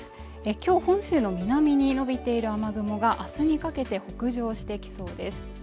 今日本州の南に延びている雨雲が明日にかけて北上してきそうです。